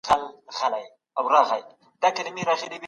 د چاپیریال ساتنې لپاره نړیوال پیوستون شتون لري.